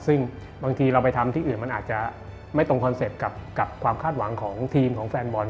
ซึ่งบางทีเราไปทำที่อื่นมันอาจจะไม่ตรงคอนเซ็ปต์กับความคาดหวังของทีมของแฟนบอล